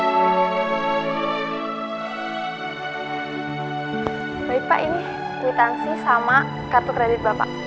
kuitansi sama kartu kreditnya